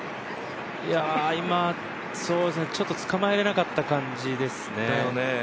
今、ちょっとつかまえられなかった感じですね。